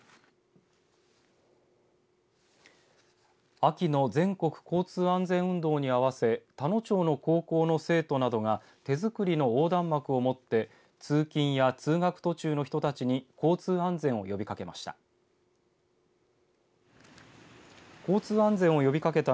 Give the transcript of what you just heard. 秋の全国交通安全運動に合わせ田野町の高校の生徒などが手作りの横断幕を持って通勤や通学途中の人たちに交通安全を呼びかけました。